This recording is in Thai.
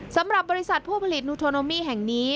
สำหรับบริษัทผู้ผลิตนูโทโนมี่แห่งนี้